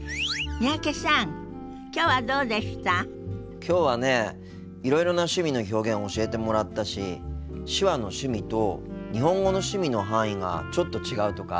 きょうはねいろいろな趣味の表現を教えてもらったし手話の趣味と日本語の趣味の範囲がちょっと違うとか面白かったな。